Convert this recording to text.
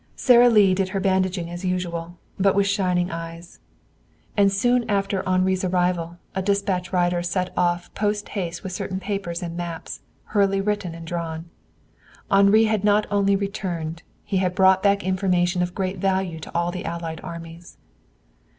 Sara Lee did her bandaging as usual, but with shining eyes. And soon after Henri's arrival a dispatch rider set off post haste with certain papers and maps, hurriedly written and drawn. Henri had not only returned, he had brought back information of great value to all the Allied armies.